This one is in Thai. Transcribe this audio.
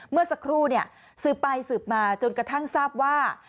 เมื่อสักครู่สืบไปสืบมาจนกระทั่งทราบว่า